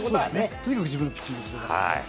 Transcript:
とにかく自分のピッチングをすることです。